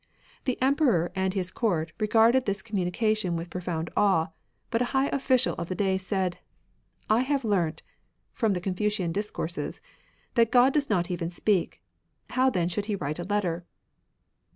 The Emperor and his Court regarded this communication with pro found awe ; but a high official of the day said, '' I have learnt (from the Confucian Discourses) that God does not even speak ; how then should He write a letter